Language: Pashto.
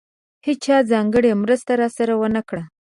هېچا ځانګړې مرسته راسره ونه کړه.